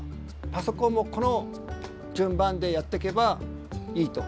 パソコンもこの順番でやっていけばいいと。